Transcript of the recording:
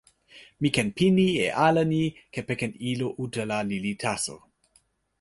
mi ken pini e ale ni kepeken ilo utala lili taso.